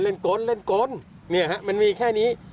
เล่นกลเนี่ยฮะมันมีแค่นี้